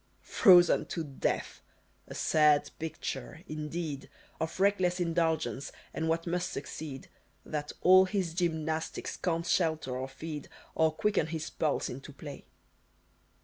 Frozen to death! 'a sad picture,' indeed, Of reckless indulgence and what must succeed, That all his gymnastics can't shelter or feed, Or quicken his pulse into play!